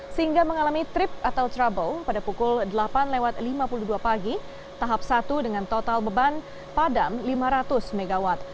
sehingga mengalami trip atau trouble pada pukul delapan lewat lima puluh dua pagi tahap satu dengan total beban padam lima ratus mw